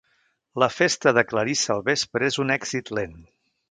La festa de Clarissa al vespre és un èxit lent.